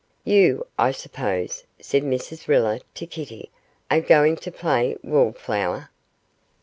'You, I suppose,' said Mrs Riller to Kitty, 'are going to play wallflower.